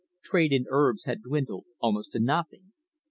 Trade in herbs had dwindled almost to nothing.